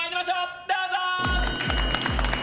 どうぞ！